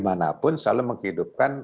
mana pun selalu menghidupkan